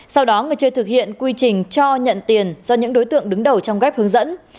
sau đó người chưa thực hiện quy trình cho nhận tiền do những đối tượng đứng đầu trong ghép hướng dẫn